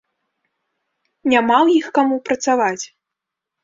Няма ў іх каму працаваць.